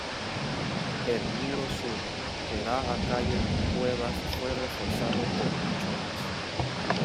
El muro sur, que da a calle Cuevas, fue reforzado por machones.